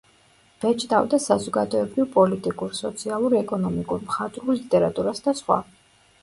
ბეჭდავდა საზოგადოებრივ-პოლიტიკურ, სოციალურ-ეკონომიკურ, მხატვრულ ლიტერატურას და სხვა.